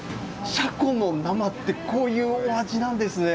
シャコの生ってこういうお味なんですね。